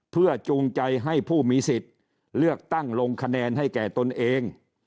เพื่อจูงใจให้ผู้มีสิทธิ์เลือกตั้งลงคะแนนให้แก่ตนเอง